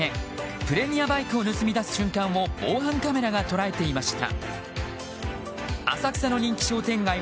プレミアバイクを盗み出す瞬間を防犯カメラが捉えていました。